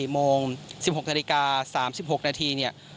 ๔โมง๑๖นาฬิกา๓๖นาที